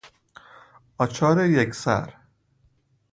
آچار یک سر